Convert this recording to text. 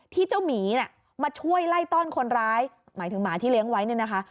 ที่เจ้าหมีเนี่ยมาช่วยไล่ต้อนคนร้ายหมายถึงหมาที่เลี้ยงไว้เนี่ยนะคะ